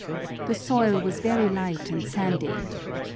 The soil was very light and sandy.